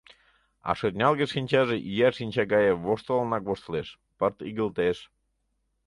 — А шӧртнялге шинчаже ия шинча гае воштылынак воштылеш - пырт игылтеш.